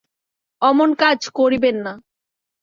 অমন কাজ করিবেন না!